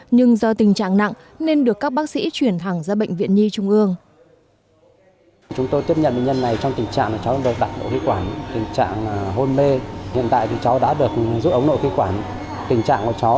nhưng do tình trạng nặng nên được các bác sĩ chuyển thẳng ra bệnh viện nhi trung ương